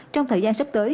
trong thời gian sắp tới